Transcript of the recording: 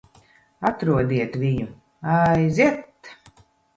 Atrodiet viņu. Aiziet!